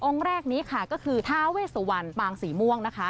แรกนี้ค่ะก็คือท้าเวสวรรณปางสีม่วงนะคะ